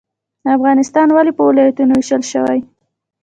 افغانستان ولې په ولایتونو ویشل شوی؟